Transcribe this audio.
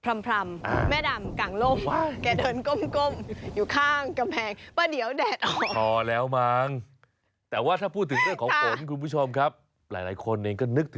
ไม่ได้พูดถึงสุภาสิต